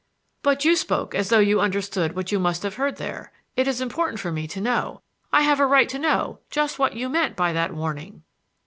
"But you spoke as though you understood what you must have heard there. It is important for me to know. I have a right to know just what you meant by that warning."